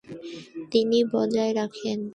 তিনি বজায় রাখেন।